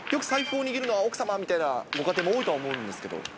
財布を握るのは、奥様みたいなご家庭も多いとは思うんですけど。